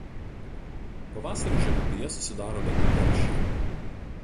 Pavasarį žemupyje susidaro ledų kamščiai.